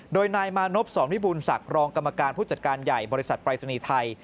โดยนายมานพสรวิบูรณศักดิ์รองกรรมการผู้จัดการใหญ่บริษัทปรายศนีย์ไทย